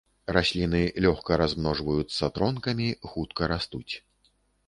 Расліны лёгка размножваюцца тронкамі, хутка растуць.